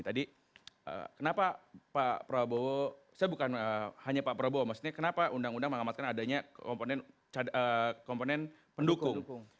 tadi kenapa pak prabowo saya bukan hanya pak prabowo maksudnya kenapa undang undang mengamatkan adanya komponen pendukung